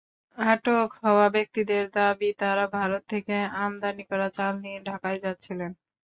আটক হওয়া ব্যক্তিদের দাবি, তাঁরা ভারত থেকে আমদানি করা চাল নিয়ে ঢাকায় যাচ্ছিলেন।